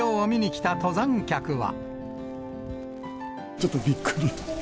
ちょっとびっくり。